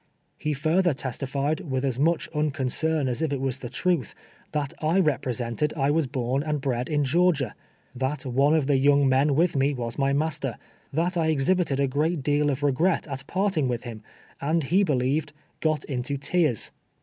lie further testified, with as much xmconcern as if it was the truth, that I rep presented I was born and bred in Georgia ; that one of the young men with me was my master ; that I exhibited a great deal of regret at parting with him, and he believed " got into tears